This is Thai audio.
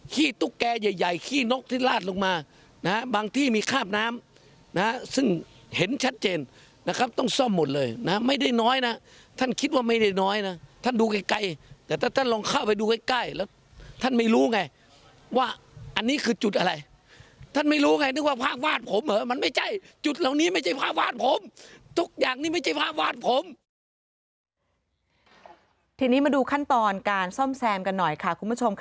ขี้ตุ๊กแก่ใหญ่ขี้นกที่ลาดลงมานะบางที่มีข้าบน้ำนะซึ่งเห็นชัดเจนนะครับต้องซ่อมหมดเลยนะไม่ได้น้อยนะท่านคิดว่าไม่ได้น้อยนะท่านดูไกลแต่ถ้าท่านลองเข้าไปดูไกลแล้วท่านไม่รู้ไงว่าอันนี้คือจุดอะไรท่านไม่รู้ไงนึกว่าภาพวาดผมเหรอมันไม่ใช่จุดเหล่านี้ไม่ใช่ภาพวาดผมทุกอย่างนี้ไม่ใช่ภาพวาดผม